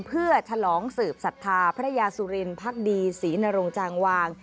เพื่อฉลองสืบศรัทธาพระยาสุรินพักดีศรีนรงจางวาง